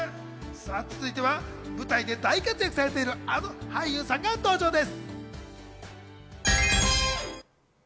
続いては舞台で大活躍されている、あの俳優さんが登場です。